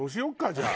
じゃあ。